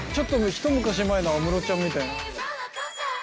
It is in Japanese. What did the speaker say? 一昔前の安室ちゃんみたい。